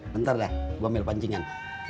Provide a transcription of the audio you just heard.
bentar deh gua ambil pancingan